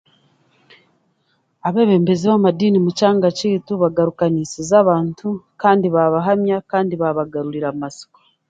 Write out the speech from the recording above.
Abeebembezi b'amadiini mu kyanga kyaitu bagarukaniise abantu, kandi baabahamya kandi baabagarurira amatsiko